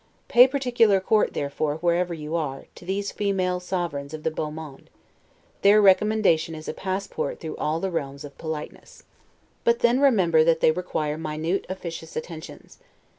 Pay particular court, therefore, wherever you are, to these female sovereigns of the 'beau monde'; their recommendation is a passport through all the realms of politeness. But then, remember that they require minute officious attentions.